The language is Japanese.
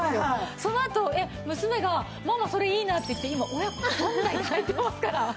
そのあと娘が「ママそれいいな」って言って今親子３代で履いてますから。